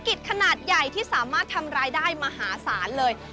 ได้ขนาดสลากค้าแมลงที่ใหญ่ที่สุดไกลกกก